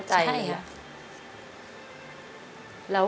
ขอบคุณครับ